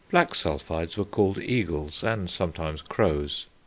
Black sulphides were called eagles, and sometimes crows.